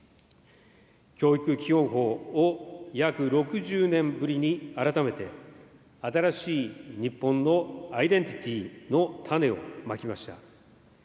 教育基本法を約６０年ぶりに改めて、新しい日本のアイデンティティの種をまきました。